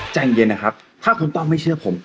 ใจเย็นนะครับถ้าคุณต้องไม่เชื่อผม